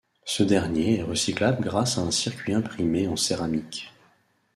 Ce dernier est recyclable grâce à un circuit imprimé en céramique.